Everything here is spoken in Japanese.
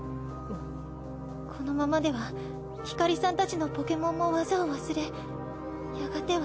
このままではヒカリさんたちのポケモンも技を忘れやがては。